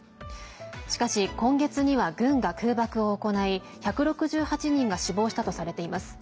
しかし、今月には軍が空爆を行い１６８人が死亡したとされています。